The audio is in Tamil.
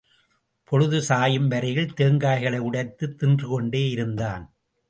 பொழுது சாயும் வரையில் தேங்காய்களை உடைத்துத் தின்றுகொண்டே இருந்தான்.